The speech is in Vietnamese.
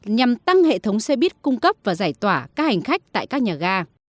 nhằm tăng hệ thống xe buýt cung cấp và giải tỏa các hành khách tại các nhà ga